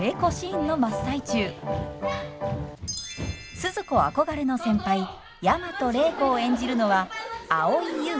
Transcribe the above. スズ子憧れの先輩大和礼子を演じるのは蒼井優さん。